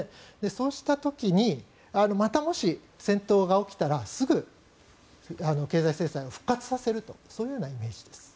そうした時にまたもし戦闘が起きたらすぐに経済制裁を復活させるというそういうようなイメージです。